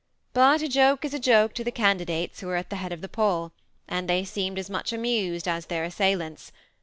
But a joke is a joke to the candidates who are at the bead of the poll; and they seemed as much amused as their assailants.